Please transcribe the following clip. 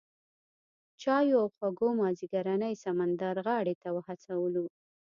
چایو او خوږو مازیګرنۍ سمندرغاړې ته وهڅولو.